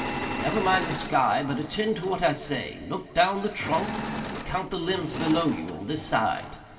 "Never mind the sky, but attend to what I say. Look down the trunk and count the limbs below you on this side.